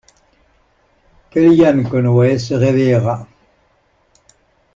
Kellyanne Conway se réveillera.